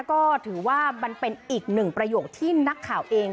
ก็ถือว่ามันเป็นอีกหนึ่งประโยคที่นักข่าวเอง